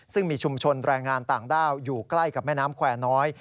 ซึ่งมีชุมชนแรงงานต่างด้าวอยู่ใกล้กับแม่น้ำแควร์น้อย